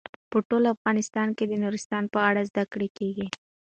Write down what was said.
په ټول افغانستان کې د نورستان په اړه زده کړه کېږي.